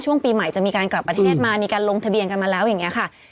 ช่วงปีใหม่จะมีการกลับประเทศมามีการลงทะเบียนกันมาแล้วอย่างนี้ค่ะ